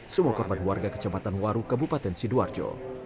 semua korban warga kecepatan waru kebupaten sidwarjo